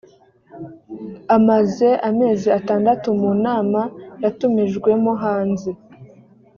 amaze amezi atandatu mu nama yatumijwemo hanze